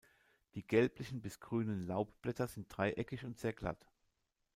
Die gelblichen bis grünen Laubblätter sind dreieckig und sehr glatt.